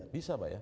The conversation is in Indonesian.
bisa pak ya